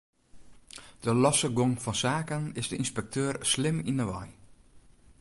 De losse gong fan saken is de ynspekteur slim yn 'e wei.